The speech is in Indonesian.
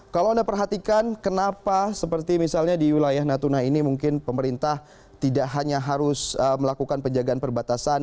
kalau anda perhatikan kenapa seperti misalnya di wilayah natuna ini mungkin pemerintah tidak hanya harus melakukan penjagaan perbatasan